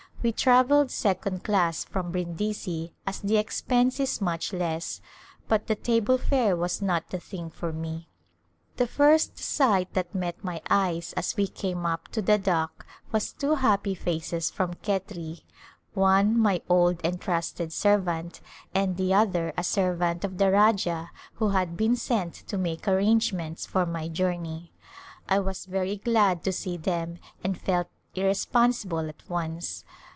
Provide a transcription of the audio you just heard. We travelled second class from Brindisi as the expense is much less, but the table fare was not the thing for me. The lirst sight that met mv eves as we came up to the dock was two happy faces from Khetri, one my old and trusted servant, and the other a servant of the Rajah who had been sent to make arrangements for my journey. I was very glad to see them and felt irresponsible at once.